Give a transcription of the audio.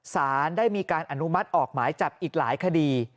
สารได้มีการอนุมัติออกหมายจับอีกหลายคดี